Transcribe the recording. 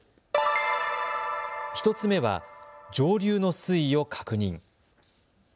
１つ目は上流の水位を確認。